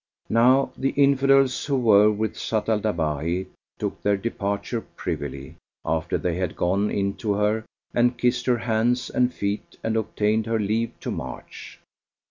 Now the Infidels who were with Zat al Dawahi took their departure privily, after they had gone in to her and kissed her hands and feet and obtained her leave to march.